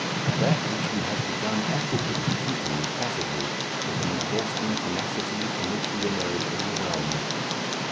That which we have begun actively we continue passively, with an exhausting tenacity from which we emerge overwhelmed.